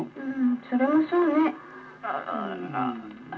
それもそうね。